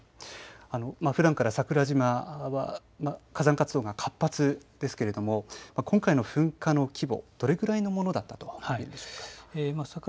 ふだんから桜島は火山活動が活発ですけれども今回の噴火の規模、どれぐらいの規模のものだったと思いますか。